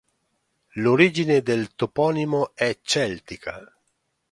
L'origine del toponimo è celtica.